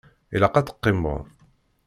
Ilaq ad teqqimeḍ.